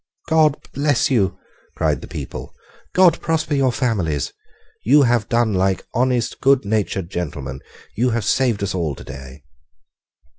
"God bless you," cried the people; "God prosper your families; you have done like honest goodnatured gentlemen; you have saved us all today."